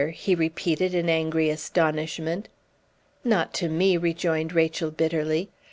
he repeated in angry astonishment. "Not to me," rejoined Rachel, bitterly.